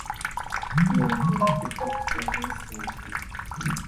زه له خوراکي توکو څخه ساتم.